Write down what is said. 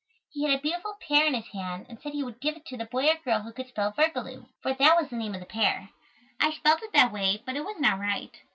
He had a beautiful pear in his hand and said he would give it to the boy or girl who could spell "virgaloo," for that was the name of the pear. I spelt it that way, but it was not right.